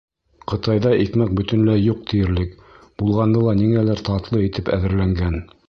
Ҡытайҙа икмәк бөтөнләй юҡ тиерлек, булғаны ла ниңәлер татлы итеп әҙерләнгән.